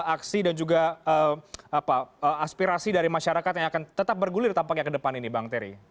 aksi dan juga aspirasi dari masyarakat yang akan tetap bergulir tampaknya ke depan ini bang terry